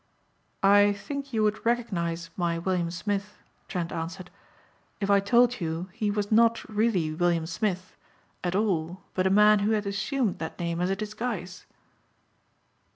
"I think you would recognize my William Smith," Trent answered, "if I told you he was not really William Smith at all but a man who had assumed that name as a disguise."